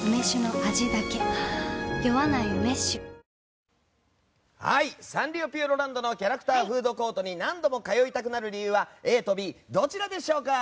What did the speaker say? ニトリサンリオピューロランドのキャラクターフードコートに何度も通いたくなる理由はＡとＢどちらでしょうか。